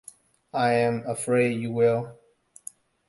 I am afraid you will.